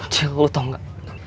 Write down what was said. cil lo tau gak